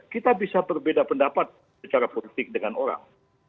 kita bisa berbeda pendapat secara politik dengan orang